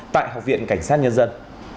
tại học viện cảnh sát nhân dân